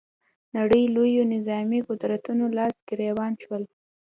نړۍ لویو نظامي قدرتونو لاس ګرېوان شول